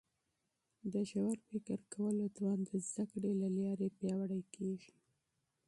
د ژور فکر کولو توان د زده کړي له لارې پیاوړی کیږي.